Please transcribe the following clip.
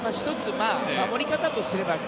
守り方とすれば